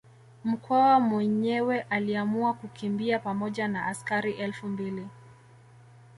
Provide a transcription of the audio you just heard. Mkwawa mwenyewe aliamua kukimbia pamoja na askari elfu mbili